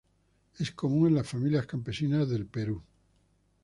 Es común en las familias campesinas del Perú.